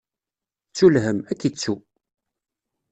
Ttu lhemm, ad k-ittu.